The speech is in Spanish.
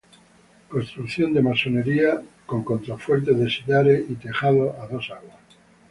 Construcción de masonería con contrafuertes de sillares y tejado a dos aguas.